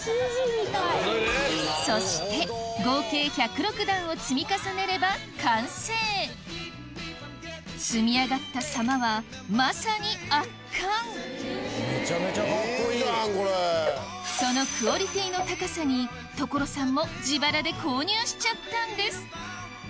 そして積み上がったさまはまさに圧巻そのクオリティーの高さに所さんも自腹で購入しちゃったんです